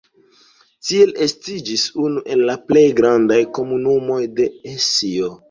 Tiel estiĝis unu el la plej grandaj komunumoj de Hesio.